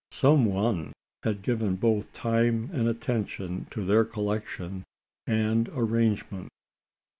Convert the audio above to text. Some one had given both time and attention to their collection and arrangement.